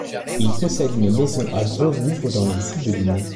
Il possède une maison à Grosrouvre dans les Yvelines.